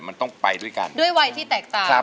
มันต้องไปด้วยกันด้วยวัยที่แตกต่าง